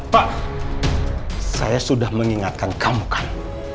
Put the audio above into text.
pak saya sudah mengingatkan kamu kan